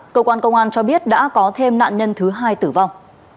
cơ quan công an cho biết đã có thêm nạn nhân thứ hai tử vong